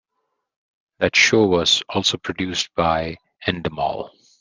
That show was also produced by Endemol.